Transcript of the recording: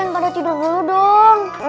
ustadz tidur dulu dong